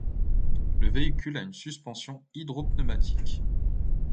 Le véhicule a une suspension hydropneumatique.